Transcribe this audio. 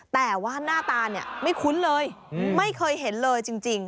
แต่ว่าหน้าตาเนี่ยไม่คุ้นเลยไม่เคยเห็นเลยจริง